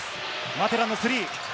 マテランのスリー。